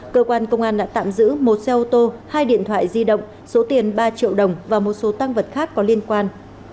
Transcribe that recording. cơ quan công an đã tạm giữ một xe ô tô hai điện thoại di động số tiền ba triệu đồng và một số tăng vật khác có liên quan